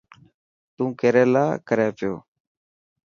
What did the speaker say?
تو ڪيريلا ڪري پيو.